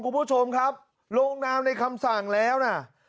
ลงนามในคำสั่งแล้วนะ